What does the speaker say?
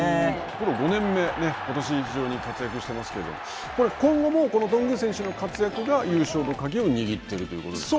プロ５年目、ことし、非常に活躍していますけれども、これ、今後もこの頓宮選手の活躍が優勝の鍵を握っているということですか。